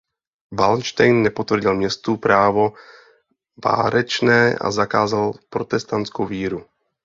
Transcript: Valdštejn nepotvrdil městu právo várečné a zakázal protestantskou víru.